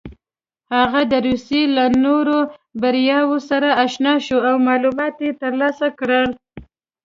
هغه د روسيې له نویو بریاوو سره اشنا شو او معلومات یې ترلاسه کړل.